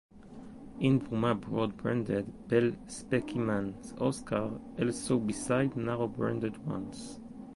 In Burma broad-banded, pale specimens occur also, besides narrow-banded ones...